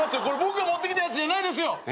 これ僕が持ってきたやつじゃないですよ。